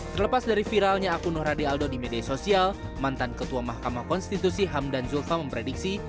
terlepas dari viralnya akun nur hadi aldo di media sosial mantan ketua mahkamah konstitusi hamdan zulfa memprediksi